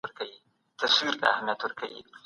کمپيوټر د دفتر کارونه اسانوي.